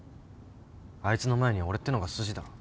あいつの前に俺ってのが筋だろ。